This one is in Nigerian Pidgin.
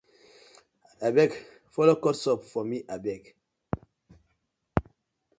Abeg follo cut soap for mi abeg.